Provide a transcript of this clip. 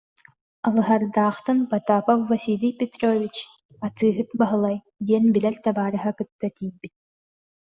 Алыһардаахтан Потапов Василий Петрович-Атыыһыт Баһылай диэн билэр табаарыһа кытта тиийбит